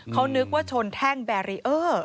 เขานึกว่าชนแท่งแบรีเออร์